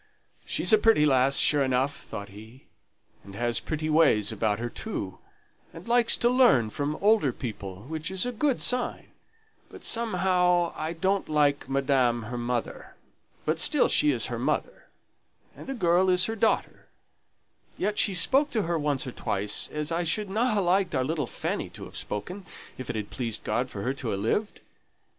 "She's a pretty lass, sure enough," thought he, "and has pretty ways about her too, and likes to learn from older people, which is a good sign; but somehow I don't like madam her mother; but still she is her mother, and the girl's her daughter; yet she spoke to her once or twice as I shouldn't ha' liked our little Fanny to have spoken, if it had pleased God for her to ha' lived.